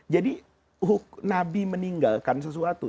jadi nabi meninggalkan sesuatu